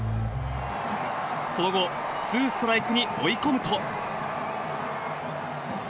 その後、ツーストライクに追い込むと。